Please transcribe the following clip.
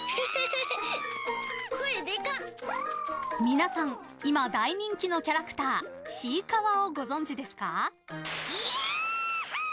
皆さん今、大人気のキャラクターちいかわをご存じですか。